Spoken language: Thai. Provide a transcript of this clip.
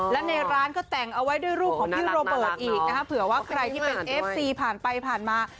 และในร้านก็แต่งเอาไว้ด้วยรูปของพี่โรเบิร์ตอีกนะคะเผื่อว่าใครที่เป็นเอฟซีผ่านไปผ่านมา